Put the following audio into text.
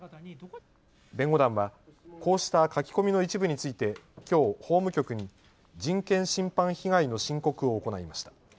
弁護団は、こうした書き込みの一部についてきょう法務局に人権侵犯被害の申告を行いました。